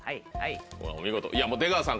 お見事出川さん